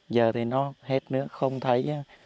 giờ thì nó hết nữa không thấy